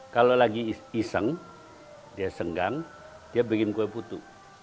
kalau lagi iseng dia senggang dia bikin kue putu